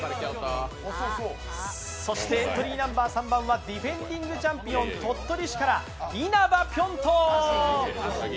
そしてエントリーナンバー３番はディフェンディングチャンピオン、鳥取市から因幡ぴょん兎！